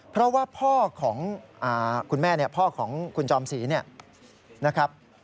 เพราะว่าพ่อของคุณแม่เนี่ยพ่อของคุณจอมศรีนะครับ